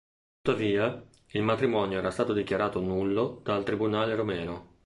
Tuttavia, il matrimonio era stato dichiarato nullo dal un tribunale rumeno.